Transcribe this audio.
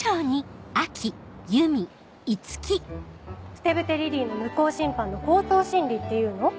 「ふてぶてリリイ」の無効審判の口頭審理っていうの？